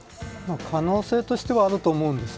可能性としてはあると思うんです。